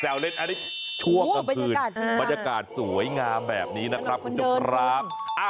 เล่นอันนี้ช่วงกลางคืนบรรยากาศสวยงามแบบนี้นะครับคุณผู้ชมครับ